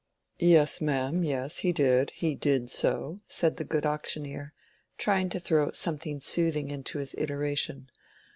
"Yes, ma'am, yes, he did; he did so," said the good auctioneer, trying to throw something soothing into his iteration.